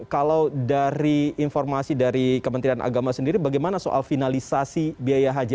kalau dari informasi dari kementerian agama sendiri bagaimana soal finalisasi biaya haji